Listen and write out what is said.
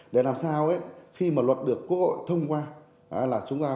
để làm sao khi mà luật được quốc hội thông qua